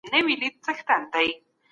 دولت نه غوښتل چي خلک تر فشار لاندي راولي.